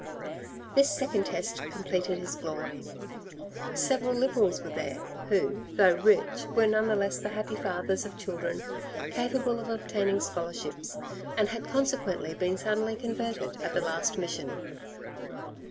This second test completed his glory. Several Liberals were there, who, though rich, were none the less the happy fathers of children capable of obtaining scholarships, and had consequently been suddenly converted at the last mission.